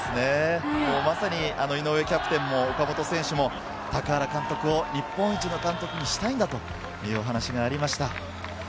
まさに井上キャプテンも岡本選手も高原監督を日本一の監督にしたいんだというお話がありました。